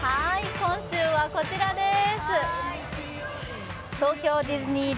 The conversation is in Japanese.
今週はこちらです。